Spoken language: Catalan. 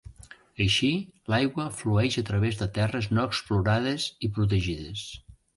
Així, l'aigua flueix a través de terres no explotades i protegides.